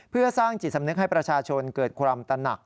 เพื่อสร้างจิตสำนึกให้ประชาชนเกิดความตนัก